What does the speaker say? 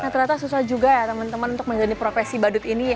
ternyata susah juga ya teman teman untuk menjalani profesi badut ini